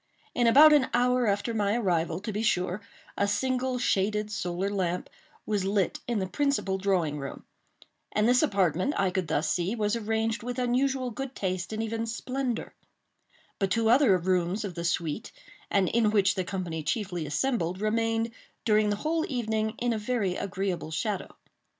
In about an hour after my arrival, to be sure, a single shaded solar lamp was lit in the principal drawing room; and this apartment, I could thus see, was arranged with unusual good taste and even splendor; but two other rooms of the suite, and in which the company chiefly assembled, remained, during the whole evening, in a very agreeable shadow.